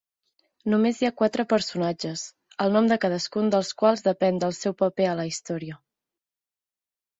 Només hi ha quatre personatges, el nom de cadascun dels quals depèn del seu paper a la història.